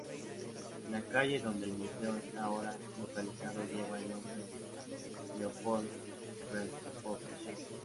La calle donde el museo está ahora localizado lleva el nombre de Leopold Rostropovich.